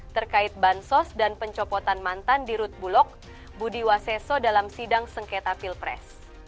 terkait bansos dan pencopotan mantan dirut bulog budi waseso dalam sidang sengketa pilpres